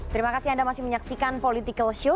terima kasih anda masih menyaksikan political show